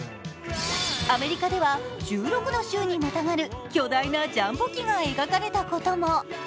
アメリカでは１６の州にまたがる巨大なジャンボ機が描かれたことも。